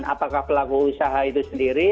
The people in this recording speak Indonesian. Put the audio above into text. apakah pelaku usaha itu sendiri